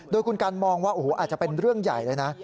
โดยคุณกันมองว่าโอ้โหอาจจะเป็นเรื่องใหญ่เลยนะ